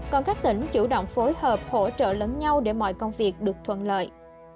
còn các tỉnh chủ động phối hợp hỗ trợ lẫn nhau để mọi công việc được thuận lợi